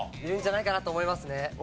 いるんじゃないかなと思いますね。